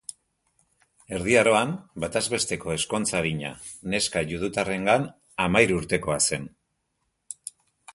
Erdi Aroan, bataz besteko ezkontza-adina neska judutarrengan hamahiru urtekoa zen.